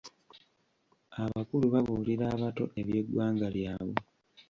Abakulu babuulira abato eby'eggwanga lyabwe.